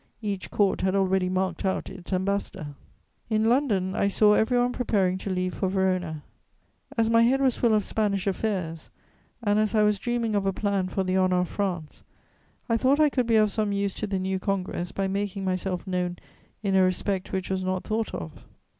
Each Court had already marked out its ambassador. In London, I saw every one preparing to leave for Verona: as my head was full of Spanish affairs and as I was dreaming of a plan for the honour of France, I thought I could be of some use to the new congress by making myself known in a respect which was not thought of.